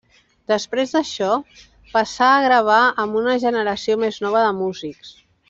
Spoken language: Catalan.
Després d'això, passà a gravar amb una generació més nova de músics.